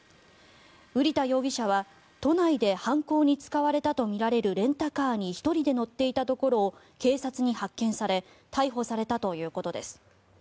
瓜田容疑者は都内で犯行に使われたとみられるレンタカーに１人で乗っていたところを警察に発見され逮捕されたということです。